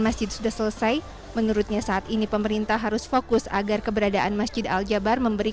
masih sudah selesai menurutnya saat ini pemerintah harus fokus agar keberadaan masjid aljabar memberi